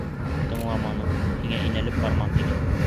Тыңламаның, һиңә инәлеп бармам тинең!